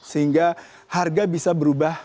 sehingga harga bisa berubah